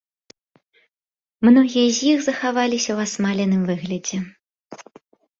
Многія з іх захаваліся ў асмаленым выглядзе.